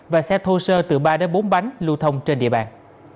và xe thô sơ từ ba đến bốn bánh lưu thông trên địa bàn